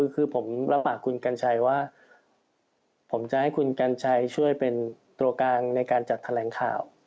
คือผมรับปากคุณกัญชัยว่าผมจะให้คุณกัญชัยช่วยเป็นตัวกลางในการจัดแถลงข่าว